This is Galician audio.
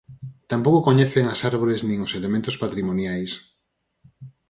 Tampouco coñecen as árbores nin os elementos patrimoniais.